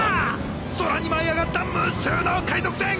空に舞い上がった無数の海賊船！